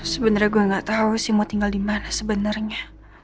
sebenernya gue gak tau sih mau tinggal dimana sebenernya